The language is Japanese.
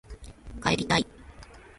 帰りたい